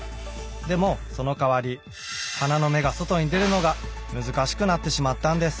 でもその代わり花の芽が外に出るのが難しくなってしまったんです。